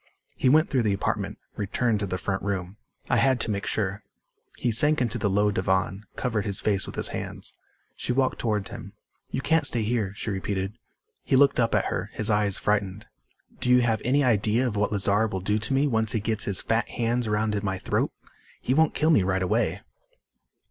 He went through the apartment, returned to the front room. "I had to make sure." He sank into the low divan, covered his face with his hands. She walked toward him. "You can't stay here," she repeated. He looked up at her, his eyes frightened. "Do you have any idea of what Lazar will do to me once he gets his fat hands around my throat? He won't kill me right away."